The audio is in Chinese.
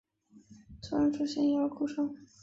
突然出现婴儿哭声